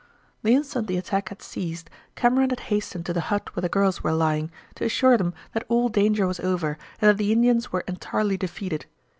The instant the attack had ceased Cameron had hastened to the hut where the girls were lying, to assure them that all danger was over and that the Indians were entirely defeated.